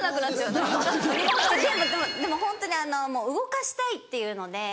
でもでもでもホントに動かしたいっていうので。